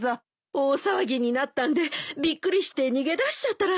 大騒ぎになったんでびっくりして逃げ出しちゃったらしいんです。